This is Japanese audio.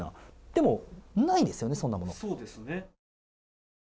でも、ないんですよね、そんなもの。